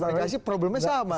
komunikasi problemnya sama